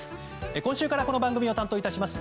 今週からこの番組を担当いたします